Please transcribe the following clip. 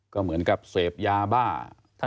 ก็เหมือนกับเสพยาบ้า